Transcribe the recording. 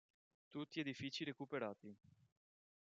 Tutti edifici recuperati.